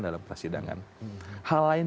dalam persidangan hal lain